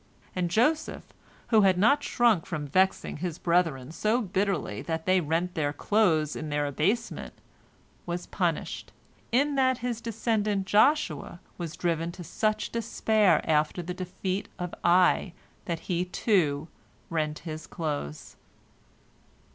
And Joseph, who had not shrunk from vexing his brethren so bitterly that they rent their clothes in their abasement, was punished, in that his descendant Joshua was driven to such despair after the defeat of Ai that he, too, rent his clothes.